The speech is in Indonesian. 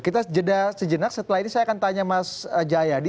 kita jeda sejenak setelah ini saya akan tanya mas jayadi